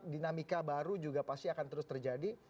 dinamika baru juga pasti akan terus terjadi